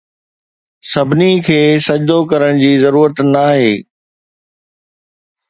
سڀني کي سجدو ڪرڻ جي ضرورت ناهي